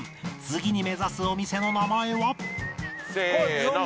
次に目指すお店の名前はせーの。